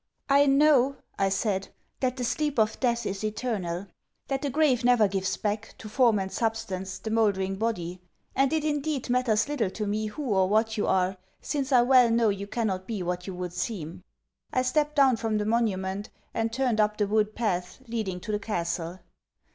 'I know,' I said, 'that the sleep of death is eternal. That the grave never gives back, to form and substance, the mouldering body; and it indeed matters little to me who or what you are, since I well know you cannot be what you would seem.' I stepped down from the monument; and turned up the wood path, leading to the castle.